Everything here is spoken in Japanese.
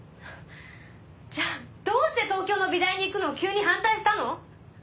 じゃあどうして東京の美大に行くのを急に反対したの！？